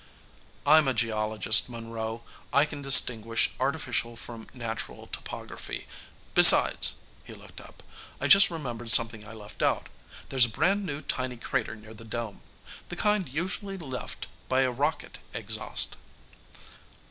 "I'm a geologist, Monroe. I can distinguish artificial from natural topography. Besides " he looked up "I just remembered something I left out. There's a brand new tiny crater near the dome the kind usually left by a rocket exhaust."